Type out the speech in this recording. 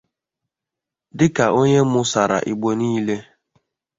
dịka onye mụsàrà Igbo niile.